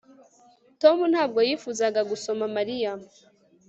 Tom ntabwo yifuzaga gusoma Mariya